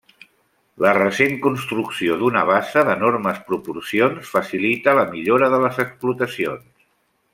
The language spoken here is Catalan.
La recent construcció d'una bassa d'enormes proporcions facilita la millora de les explotacions.